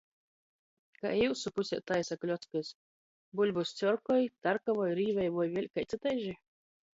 Kai jiusu pusē taisa kļockys? Buļbys cjorkoj, tarkavoj, rīvej voi vēļ kai cytaiži?